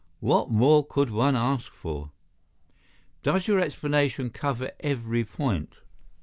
What more could one ask for?" "Does your explanation cover every point?"